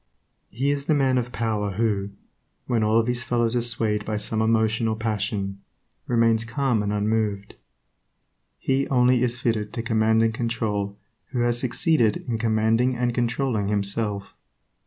He is the man of power who, when all his fellows are swayed by some emotion or passion, remains calm and unmoved. He only is fitted to command and control who has succeeded in commanding and controlling himself.